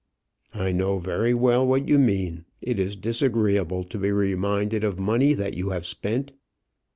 "I know very well what you mean. It is disagreeable to be reminded of money that you have spent."